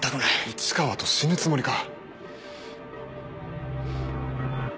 市川と死ぬつもりか？